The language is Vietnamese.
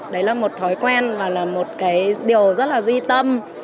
đấy là một thói quen và là một cái điều rất là duy tâm